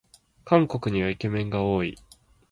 韓国にはイケメンが多い